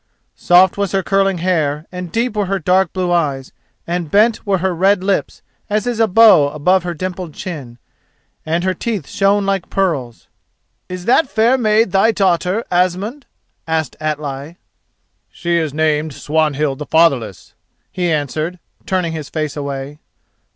Soft was her curling hair and deep were her dark blue eyes, and bent were her red lips as is a bow above her dimpled chin, and her teeth shone like pearls. "Is that fair maid thy daughter, Asmund," asked Atli. "She is named Swanhild the Fatherless," he answered, turning his face away.